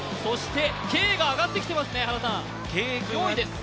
Ｋが上がってきてますね、４位です。